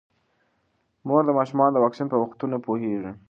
مور د ماشومانو د واکسین په وختونو پوهیږي.